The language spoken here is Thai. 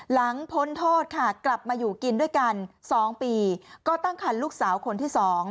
พ้นโทษค่ะกลับมาอยู่กินด้วยกัน๒ปีก็ตั้งคันลูกสาวคนที่๒